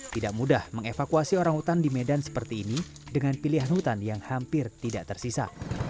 tidak mudah mengevakuasi orang hutan di medan seperti ini dengan pilihan hutan yang hampir tidak tersisa